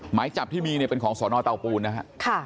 หมายจับที่มีเนี่ยเป็นของสนเตาปูนนะฮะ